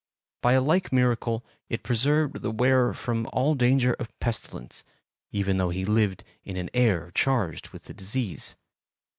By a like miracle it preserved the wearer from all danger of pestilence even though he lived in an air charged with the disease.